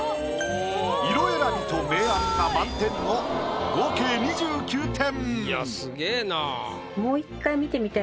色選びと明暗が満点の合計２９点。